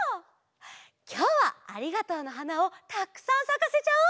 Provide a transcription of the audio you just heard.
きょうは「ありがとうの花」をたくさんさかせちゃおう！